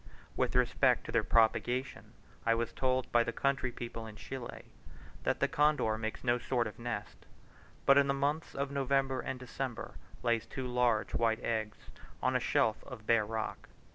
With respect to their propagation, I was told by the country people in Chile, that the condor makes no sort of nest, but in the months of November and December lays two large white eggs on a shelf of bare rock.